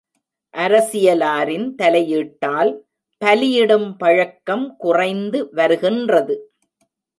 அரசியலாரின் தலையீட்டால், பலியிடும் பழக்கம் குறைந்து வருகின்றது.